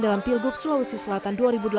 dalam pilgub sulawesi selatan dua ribu delapan belas